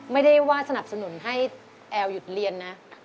ไม่ได้ว่าสนับสนุนให้แอลหยุดเรียนนะ